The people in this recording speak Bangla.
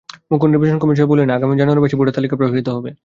মুখ্য নির্বাচন কমিশনার বলেন, আগামী জানুয়ারি মাসে ভোটার তালিকা প্রকাশিত হবে।